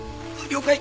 了解！